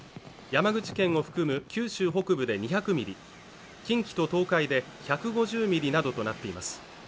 山口県を含む九州北部で２００ミリ、近畿と東海で１５０ミリなどとなっています。